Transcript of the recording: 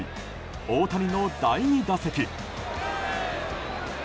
大谷の第２打席。